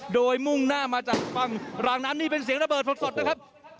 โดยมุ่งหน้ามาจากฝั่งรางน้ำนี่เป็นเสียงระเบิดสดนะครับ